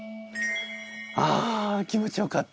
あ気持ちよかった。